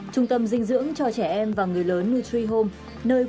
trung tâm dinh dưỡng cho trẻ em và người lớn nutrihome